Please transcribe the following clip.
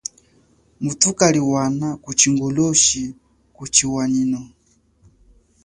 Muthu kaliwana ku chingoloshi kuchiwanyino.